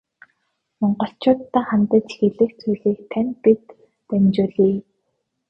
Монголчууддаа хандаж хэлэх зүйлийг тань бид дамжуулъя.